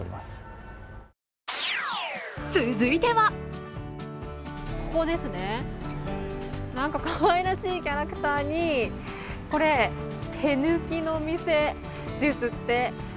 続いてはここですね、何かかわいらしいキャラクターにこれ、手抜きの店ですって。